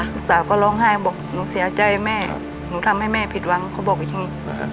ลูกสาวก็ร้องไห้บอกหนูเสียใจแม่หนูทำให้แม่ผิดหวังเขาบอกอย่างนี้